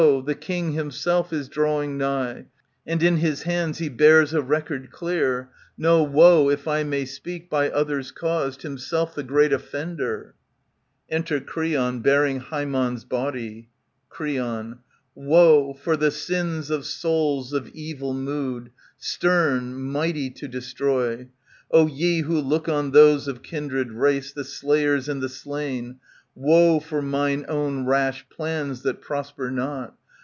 the king himself is drawing nigh, And in his hands he bears a record clear. No woe (if I may speak) by others caused, Himself the great offender. ^^^ Enter Creon, heariftg H^.mon's l^otiy, Creon, Woe ! for the sins of souls of evil mood. Stern, mighty to destroy ! O ye who look on those of kindred race. The slayers and the slain, Woe for mine own rash plans that prosper not